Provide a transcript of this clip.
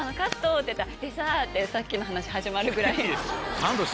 ってさっきの話始まるぐらい。